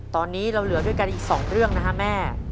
ตอนนี้เราเหลือด้วยกันอีก๒เรื่องนะฮะแม่